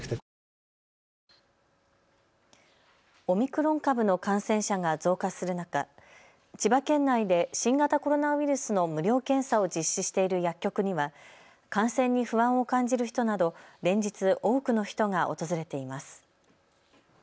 オミクロン株の感染者が増加する中、千葉県内で新型コロナウイルスの無料検査を実施している薬局には感染に不安を感じる人など連日多くの人が訪れています。